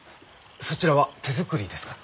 そちらは手作りですか？